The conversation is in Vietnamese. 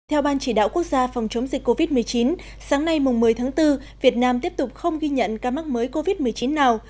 theo ban chỉ đạo quốc gia phòng chống dịch covid một mươi chín sáng nay một mươi tháng bốn việt nam tiếp tục không ghi nhận ca mắc mới covid một mươi chín nào